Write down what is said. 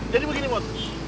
jadi begini mot